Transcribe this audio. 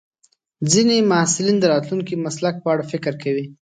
ځینې محصلین د راتلونکي مسلک په اړه فکر کوي.